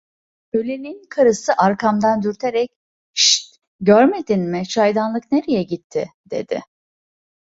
Ölenin karısı arkamdan dürterek: "Hişt, görmedin mi çaydanlık nereye gitti?" dedi.